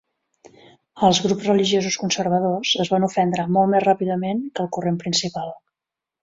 Els grups religiosos conservadors es van ofendre molt més ràpidament que el corrent principal.